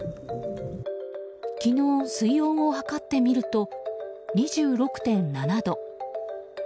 昨日、水温を測ってみると２６．７度。